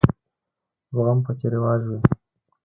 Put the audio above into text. زغم پکې رواج وي.